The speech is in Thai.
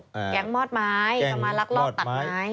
แก๊งมอดไม้จะมาลักลอบตัดไม้